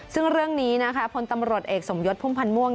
ซึ่งเรื่องนี้นะคะพลตำรวจเอกสมยศพุ่มพันธ์ม่วง